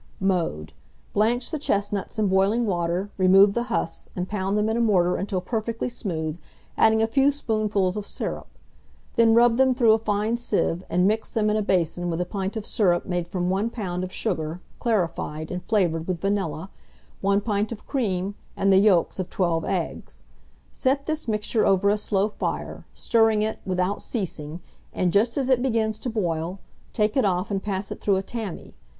Mode. Blanch the chestnuts in boiling water, remove the husks, and pound them in a mortar until perfectly smooth, adding a few spoonfuls of syrup. Then rub them through a fine sieve, and mix them in a basin with a pint of syrup made from 1 lb. of sugar, clarified, and flavoured with vanilla, 1 pint of cream, and the yolks of 12 eggs. Set this mixture over a slow fire, stirring it without ceasing, and just as it begins to boil, take it off and pass it through a tammy.